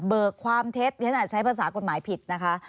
เบิกความเท็จยังไหว่ใช้ภาษากฎหมายผิดนะคะ